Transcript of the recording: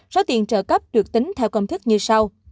số tiền trợ cấp được tính theo công thức như sau